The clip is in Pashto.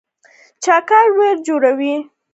جګړه ویر جوړوي